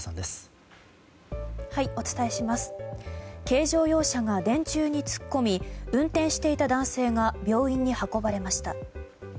軽乗用車が電柱に突っ込み運転していた男性が病院に運ばれました。